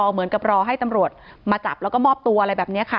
เหมือนกับรอให้ตำรวจมาจับแล้วก็มอบตัวอะไรแบบนี้ค่ะ